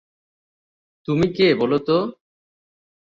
তুমি কে বলো তো?